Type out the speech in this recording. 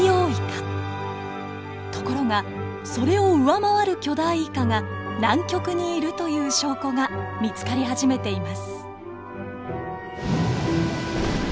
ところがそれを上回る巨大イカが南極にいるという証拠が見つかり始めています。